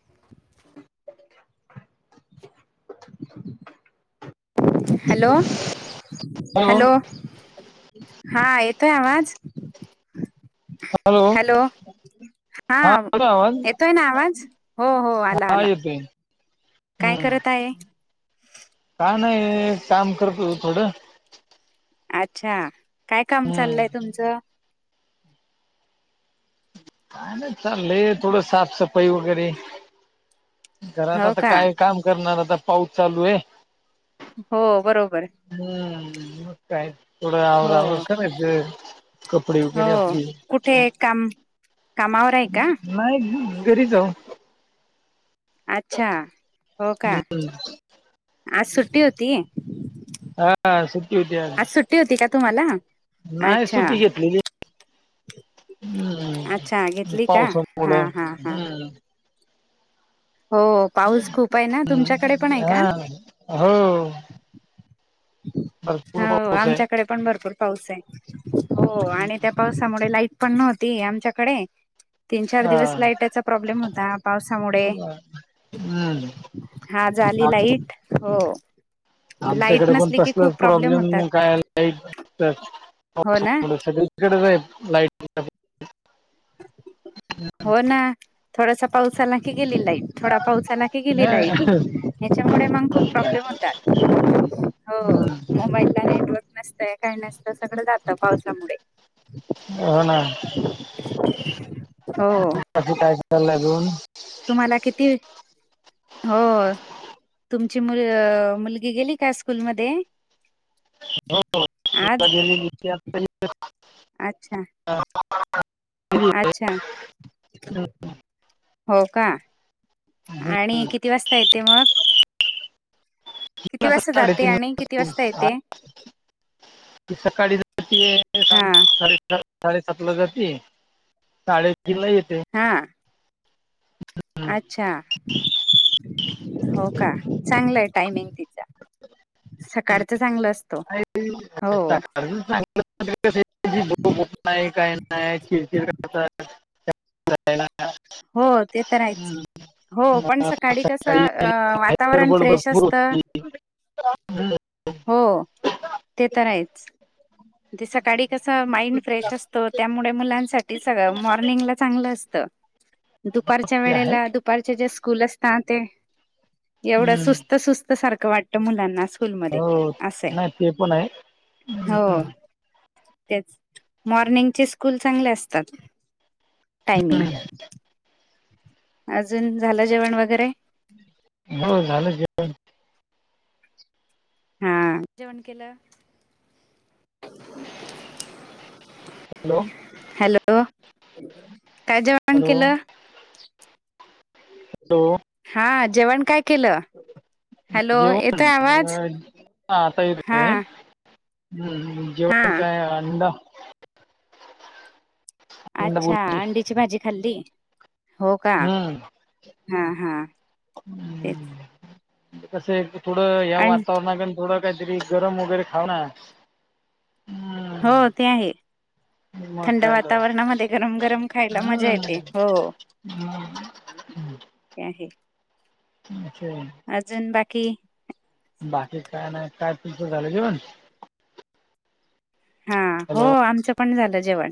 [inaudible] Hello, hello हा येतोय आवाज, हॅलो, हा आला आवाज येतोय ना, आवाज हो हो आला हा आला. येतोय काय हम्म करत आहे. काय नाही काम करतो होतो थोडं अच्छा! काय काम हम्म चाललय तुमचं, काय नाही चालले थोडं साफसफाई वगैरे, घरात हो आता का काय? काम करणार आता पाऊस चालू आहे. हो बरोबर, हम्म म काय थोडं हो आवरावर करायचं. कपडे वगैरे हो आपली कुठे काम कामावर आहे का नाही घरी जाऊ अच्छा हो का? आज सुट्टी होती. हा सुट्टी होती आज सुट्टी होती का तुम्हाला? नाही अच्छा सुट्टी घेतलेली, हम्म अच्छा घेतली का? हा, पावसामुळं हा, हा, हम्म हो पाऊस खूप आहे ना, तुमच्याकडे पण आहे का? हा हो, भरपूर हो पाऊस आहे आमच्याकडे पण भरपूर पाऊस आहे. हो आणि त्या पाऊस त्याच्यामुळे लाईट पण नव्हती आमच्याकडे तीन, चार हा दिवस लाइटचा प्रॉब्लेम होता, पावसामुळे हम्म आज आली आम लाईट हो, लाई तरी पण कसलाच प्रॉब्लेम नाही काय? हो ना [unintelligible] हो ना, थोडासा पाऊस आला की गेली लाईट, थोडा पाऊस आला हि गेली लाईट, मग ह्याच्यामुळे मंग खूप काय प्रॉब्लेम होतात हो, हम्म मोबाईलला नेटवर्क नसतंय, काही नसतंय सगळं जातं पावसामुळे हो ना [inaudible] हो कसं काय चाललंय अजून? तुम्हाला किती? हो तुमची मु मुलगी गेली का स्कूलमध्ये? हो स्कूलला आज गेलेली [unintelligible] अच्छा अं [inaudible] अच्छा हो का, आणि किती वाजता येते मग? किती वाजता जाते साडेतीन आणि किती वाजता येते? ती सकाळी जातीये हा सात साडेसातला साडेसातला जातेयं, साडेतीनला येते. हां हम्म. अच्छा हो का, चांगलय टायमिंग तिचा. सकाळचं चांगलं असत [unintelligible] चांगलं [unintelligible] नाही काही नाही चिरचिर करतात. हो ते तर आहेच. हो पण सकाळी कसं अं वातावरण गडबड फ्रेश भरपूर असतं. होती हम्म, हो ते तर आहेच. [inaudible] ते सकाळी कसं माइंड फ्रेश असत. त्यामुडे मुलांसाठी सगळं मॉर्निंगला चांगलं असतं, दुपारच्या ते आहे वेडेला दुप दुपारचे जे स्कूल असता ना ते, एवढं हम्म. सुस्त सुस्त सारखं वाटतं मुलांना स्कूलमध्ये हो अस्सये नाही ते पण आहे हो तेच मॉर्निंगचे स्कूल चांगले असतात टायमिंग अजून झालं जेवण वगैरे? हो झालं जेव हां जेवण केलं. हॅलो हॅलो, काय जेवण हॅलो केलं? हॅलो हा जेवण काय केलं? हॅलो जेवन येतोय आवाज हां आता हा येतेय हम्म हा जेवण काय आणल? अंडा अच्छा बुर्जी अंडीची भाजी खाल्ली. हो का हा हा तेच कसंय थोडं ह्या अं वातावरणा थोडं काहीतरी गरम वगैरे खाऊ ना. हो हम्म, ते आहे. मग थंड काय तर वातावरणामध्ये गरम गरम खायला मजा येते हम्म हो. [inaudible] ते आहे [unintelligible] अजून बाकी? बाकी काय नाही काय तुमचं झालं जेवण? हा हो हॅलो आमचं पण झालं जेवण.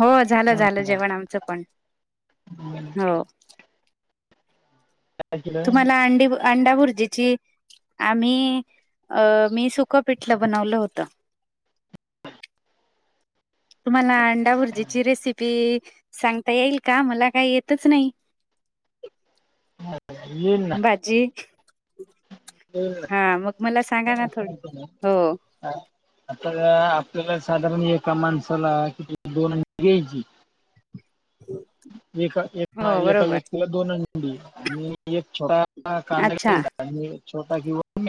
हो झालं हम्म, झालं जेवण आमचं पण हो काय केलं तुम्हाला अंडी अंडा भुर्जेची आम्ही अ मी सुकं पिठलं बनवलं होतं. तुम्हाला अंडा भुर्जीची रेसिपी सांगता येईल का मला काही येतच नाही. हा, येईल ना भाजी येईल हा मग मला सांगा ना थोडी ना हो हा. आता आपल्याला साधारण एका माणसाला कि दोन अंडी घ्यायची एका हो एका बरोबर व्यक्तीला दोन अंडी आणि एक छोटा कांदा अच्छा घ्यायचा. आणि छोटा घेवून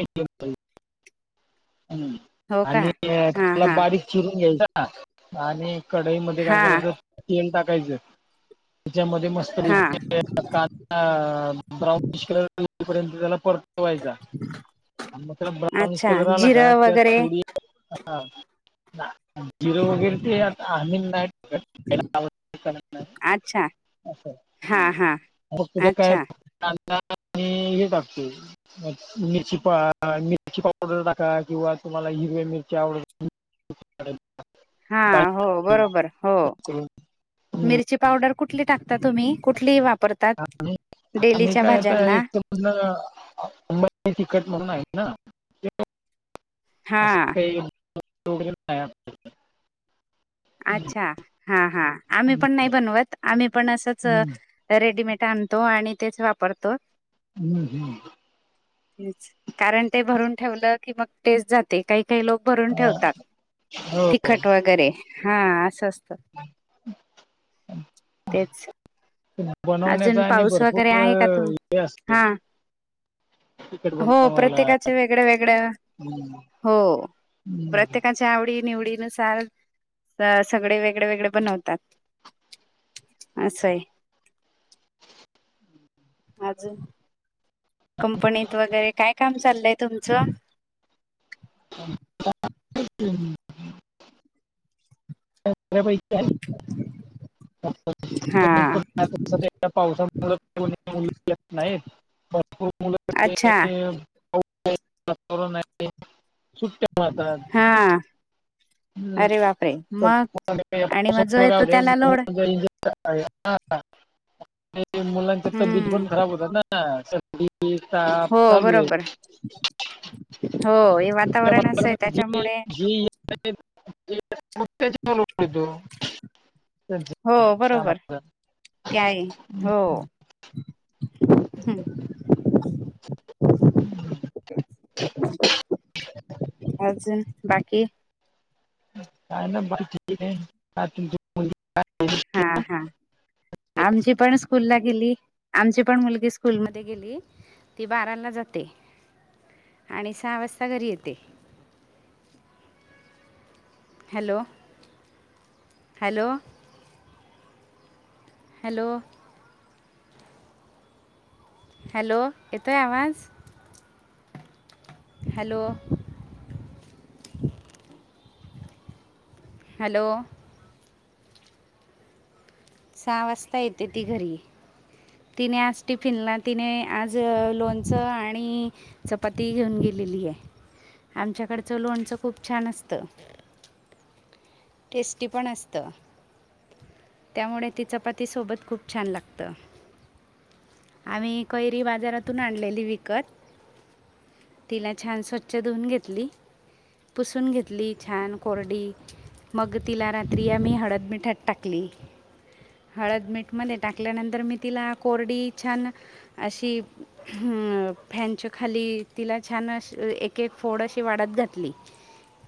हो का आणि हा त्याला हा बारीक चिरून घ्यायचं ना आणि कढाईमध्ये काय हा करायचं तेल टाकायचं त्याच्यामध्ये मस्त हां अ ब्राऊनिश कलर पर्यंत त्याला परतावायचा आणि मग त्याला ब्रवनिश अच्छा कलर आला का जिरं की वगैरे थोडी ह झिरो वगैरे ते [unintelligible] खायला आवडतं का नाही अच्छा हा हा मग उद्या काय अच्छा [unintelligible] हेच असतोय. मिरची पा मिरची पावडर टाका किंवा तुम्हाला हिरव्या मिरच्या आवड हळद हा हो बरोबर हो. करून मिरची पावडर कुठली टाकता तुम्ही कुठली वापरतात डेलीच्या भाज्यांना? पूर्ण [unintelligible] तिकट म्हणून आहेत ना, अस हा काही [unintelligible] अच्छा हा हा आम्ही पण नाही बनवत आम्ही पण असंच हम्म, रेडीमेट आणतो आणि तेच वापरतो. हम्म हम्म तेच कारण ते भरून ठेवलं की मग टेस्ट जात ते काही काही लोक भरून ठेवतात हो तिखट वगैरे हा अस अस तेच, ह अजून पाऊस वगैरे आहे का तुम, हे असते हा. तिखट हो बनवायला प्रत्येकाचे वेगळ्या वेगळ्या हो. हम् च्या आवडी निवडीनुसार सगळे वेगळे वेगळे बनवतात. अस हाय. अजून कंपनीत वगैरे काय काम चाललंय तुमचं? [unintelligible] [unintelligible] हा पावसात [unintelligible] भरपूर मुलं असलं अच्छा की [unintelligible] सुट्ट्या मारतात. हा. अरे [unintelligible] बापरे मग काय आणि मग जो येतो त्याला लोड होतंय [unintelligible] मुलांच्या तब्येत हम्म पण खराब होतात ना सर [unintelligible] हो चालू हे. बरोबर हो हे वातावरण असं आहे त्याच्यामुळे [unintelligible] [unintelligible] काय हो हम्म. अजून बाकी? काय नाही बाळ ठीक आहे, [unintelligible] हा हा. आमची पण स्कूलला गेली, आमची पण मुलगी स्कूलमध्ये गेली. ती बाराला जाते आणि सहा वाजता घरी येते. Hello hello hello hello! येतोय आवाज? हॅलो! हॅलो! सहा वाजता येते ती घरी. तिने आज टिफिनला, तिने आज लोणचं आणि चपाती घेऊन गेलेली ये, आमच्याकडचं लोणचं खूप छान असतं. टेस्टी पण असतं. त्यामुळे ती चपाती सोबत खूप छान लागतं. आम्ही कैरी बाजारातून आणलेली विकत. तिला छान स्वच्छ धुवून घेतली. पुसून घेतली, छान कोरडी. मग तिला रात्री आम्ही हळद, मिठात टाकली. हळद, मीठ मध्ये टाकल्यानंतर मी तिला कोरडी छान अशी हम्म, फॅनच्या खाली तिला छान एक, एक फोड अशी वाळत घातली.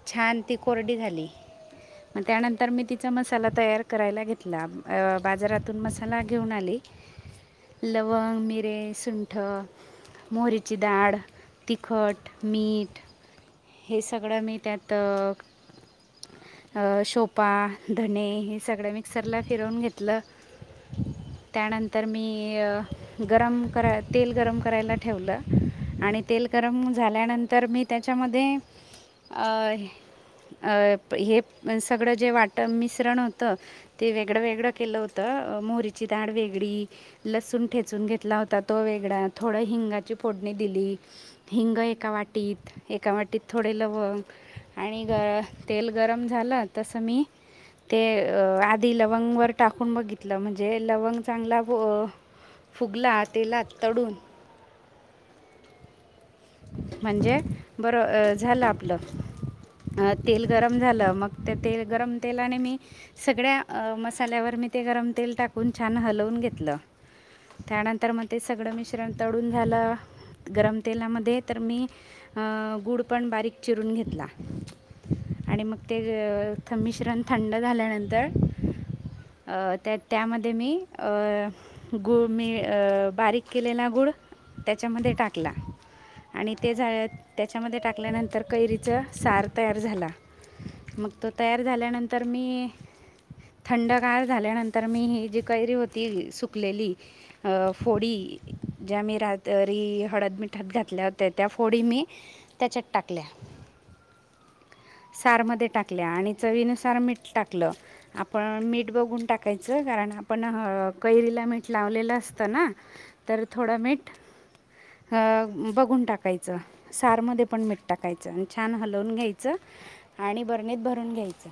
छान ती कोरडी झाली. मग त्यानंतर मी तिचा मसाला तयार करायला घेतला, अं बाजारातून मसाला घेऊन आले. लवंग, मिरे, सुंठ. मोहरीची डाळ, तिखट, मीठ. हे सगळं मी त्यात. शोपा, धणे हे सगळं मिक्सरला फिरवून घेतलं. त्यानंतर मी गरम करा तेल गरम करायला ठेवलं. आणि तेल गरम झाल्यानंतर मी त्याच्यामध्ये अ अ, हे सगळं जे वाटण, मिश्रण होतं ते वेगळं वेगळं केलं होतं, मोहरीची डाळ वेगळी लसूण ठेचून घेतला होता तो वेगळा, थोडी हिंगाची फोडणी दिली. हिंग एका वाटीत. एका वाटीत थोडे लवंग, आणि ग तेल गरम झालं तसं मी ते आधी लवंगवर टाकून बघितलं, म्हणजे लवंग चांगला घो फुगला तेलात तडून. म्हणजे बरं झालं आपलं तेल गरम झालं मग ते, ते गरम तेलाने मी सगळ्या अ मसाल्यावर मी ते गरम तेल टाकून छान हलवून घेतलं. त्यानंतर मग ते सगळं मिश्रण तळून झालं. गरम तेलामध्ये तर मी, अ गुड पण बारीक चिरून घेतला. आणि मग ते मिश्रण थंड झाल्यानंतर अ त्या त्यामध्ये मी अ गुळ मी अ बारीक केलेला गुळ त्याच्यामध्ये टाकला. आणि तेझं त्याच्यामध्ये टाकल्यानंतर कैरीच सार तयार झाला. मग तो तयार झाल्यानंतर मी थंडगार झाल्यानंतर मी ही जी कैरी होती सुकलेली अ फोडी ज्या मी रात्री हळद, मिठात घातल्या होत्या, त्या फोडी मी त्याच्यात टाकल्या. सारमध्ये टाकल्या, आणि चवीनुसार मीठ टाकलं. आपण मीठ बघून टाकायचं, कारण आपण कैरीला मीठ लावलेलं असतं ना. तर थोडं मीठ, अ बघून टाकायचं. सारमध्ये पण मीठ टाकायचं आणि छान हलवून घ्यायचं आणि बरणीत भरून घ्यायचं.